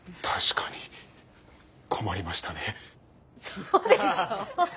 そうでしょう？